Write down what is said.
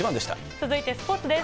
続いてスポーツです。